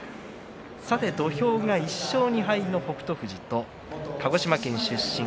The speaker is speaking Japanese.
土俵上は１勝２敗の北勝富士と鹿児島県出身